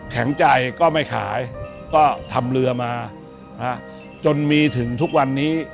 แข็งใจก็ไม่ขายก็ทำเรือมาจนมีถึงทุกวันนี้